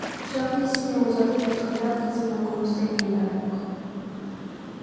Жаңы ээсине узатып жатканда, кызым экөөбүз тең ыйладык.